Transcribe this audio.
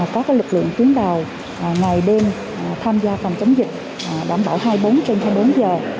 các lực lượng tuyến đầu ngày đêm tham gia phòng chống dịch đảm bảo hai mươi bốn trên hai mươi bốn giờ